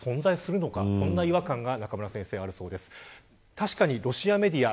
確かに、ロシアメディア